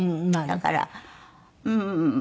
だからうーん。